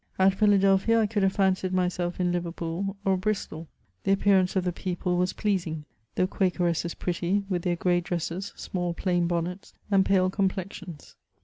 At Philadelphia I could have fancied myself in Liverpool or Bristol. The ap pearance of the people was pleasing; the Quakeresses pretty, with their gray dresses, small 'plain bonnets, and pale com plexions.